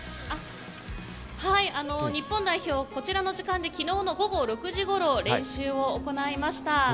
日本代表、こちらの時間で昨日の午後６時ごろ練習を行いました。